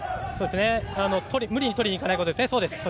無理にとりにいかないことです。